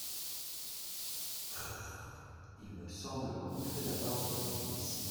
Crrrr … il me semble qu'on me fait la barbe avec une scie !